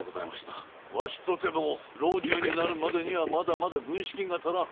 わしとても老中になるまでにはまだまだ軍資金が足らん。